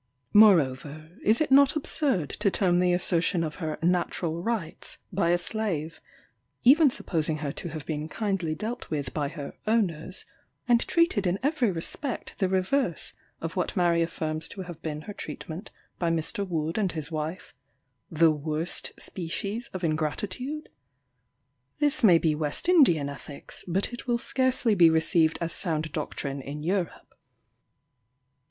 Moreover, is it not absurd to term the assertion of her natural rights by a slave, even supposing her to have been kindly dealt with by her "owners," and treated in every respect the reverse of what Mary affirms to have been her treatment by Mr. Wood and his wife, "the worst species of ingratitude?" This may be West Indian ethics, but it will scarcely be received as sound doctrine in Europe.